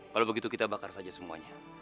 kalau begitu kita bakar saja semuanya